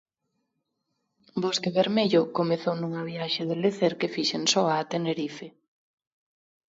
'Bosque vermello' comezou nunha viaxe de lecer que fixen soa a Tenerife.